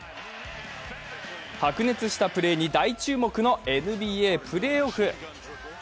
白熱したプレーに大注目のＮＢＡプレーオフ。